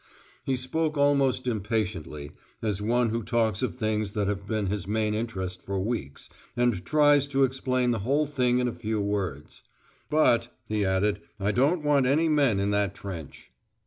He spoke almost impatiently, as one who talks of things that have been his main interest for weeks, and tries to explain the whole thing in a few words. "But," he added, "I don't want any men in that trench."